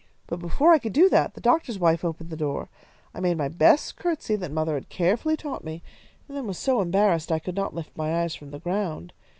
But before I could do that the doctor's wife opened the door. I made my best courtesy that mother had carefully taught me, and then was so embarrassed I could not lift my eyes from the ground.